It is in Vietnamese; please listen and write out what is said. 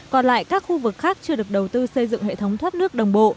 còn lại các khu vực khác chưa được đầu tư xây dựng hệ thống thoát nước đồng bộ